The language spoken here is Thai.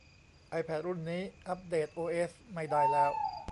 ไอแพดรุ่นนี้อัปเดตโอเอสไม่ได้แล้ว